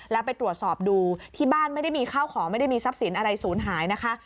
แล้วไปตรวจสอบดูที่บ้านไม่ได้มีข้าวของไม่ได้มีทรัพย์สินอะไรศูนย์หายนะคะ